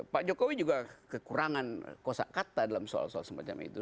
pak jokowi juga kekurangan kosa kata dalam soal soal semacam itu